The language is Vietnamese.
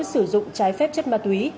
sử dụng trái phép chất ma túy